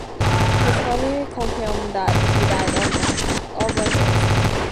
His family confirmed that he died of an overdose.